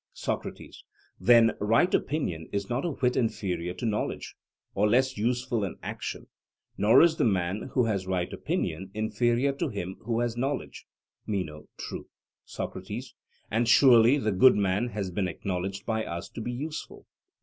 SOCRATES: Then right opinion is not a whit inferior to knowledge, or less useful in action; nor is the man who has right opinion inferior to him who has knowledge? MENO: True. SOCRATES: And surely the good man has been acknowledged by us to be useful?